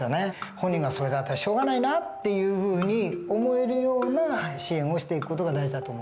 本人が「それだったらしょうがないな」っていうふうに思えるような支援をしていく事が大事だと思うんです。